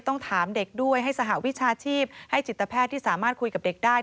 ต้องถามเด็กด้วยให้สหวิชาชีพให้จิตแพทย์ที่สามารถคุยกับเด็กได้